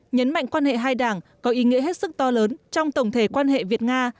nhấn mạnh quan hệ hai đảng có ý nghĩa hết sức to lớn trong tổng thể quan hệ việt nga